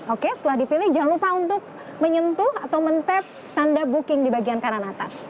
oke setelah dipilih jangan lupa untuk menyentuh atau men tap tanda booking di bagian kanan atas